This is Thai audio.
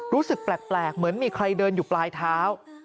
รู้สึกแปลกเหมือนมีใครเดินอยู่ปลายเท้า